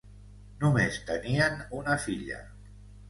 Només tenien una filla.